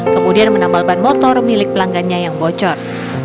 kemudian menambal ban motor milik pelanggannya yang bocor